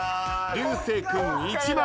流星君１枚。